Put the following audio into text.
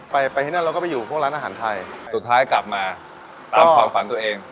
ไปไปที่นั่นเราก็ไปอยู่พวกร้านอาหารไทยสุดท้ายกลับมาตามความฝันตัวเอง